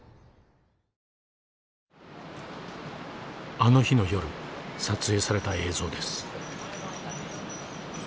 あの日の夜撮影された映像です。